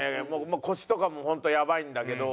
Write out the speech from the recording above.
もう腰とかも本当やばいんだけど。